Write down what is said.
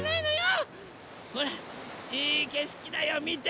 ほらいいけしきだよみて！